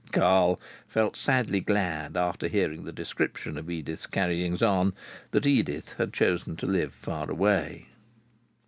Carl felt sadly glad, after hearing the description of Edith's carryings on, that Edith had chosen to live far away.